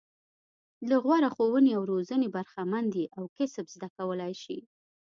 له غوره ښوونې او روزنې برخمن دي او کسب زده کولای شي.